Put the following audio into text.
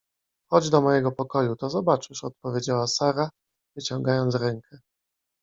— Chodź do mojego pokoju, to zobaczysz — odpowiedziała Sara, wyciągając rękę.